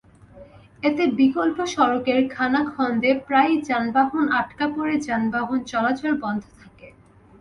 এতে বিকল্প সড়কের খানাখন্দে প্রায়ই যানবাহন আটকা পড়ে যানবাহন চলাচল বন্ধ থাকে।